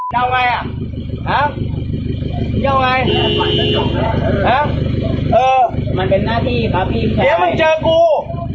เดี๋ยวมึงเจอกู